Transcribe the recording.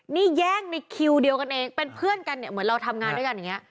นี่แย่งในคิวเดียวกันเองเป็นเพื่อนกันเนี่ยเหมือนเราทำงานด้วยกันอย่างนี้